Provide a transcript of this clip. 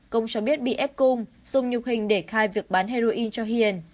công cho biết bị ép cung dùng nhục hình để khai việc bán heroin cho hiền